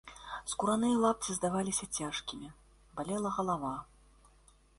Скураныя лапці здаваліся цяжкімі, балела галава.